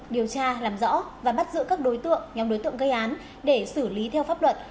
điều tra làm rõ và bắt giữ các đối tượng nhóm đối tượng gây án để xử lý theo pháp luật